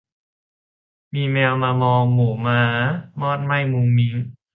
มีแมวมามองหมูหมามอดไหม้มุ้งมิ้ง